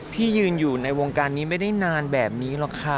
ที่ยืนอยู่ในวงการนี้ไม่ได้นานแบบนี้หรอกค่ะ